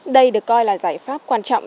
đây được coi là giải pháp quan trọng